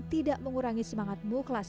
tidak mengurangi semangat mukhlas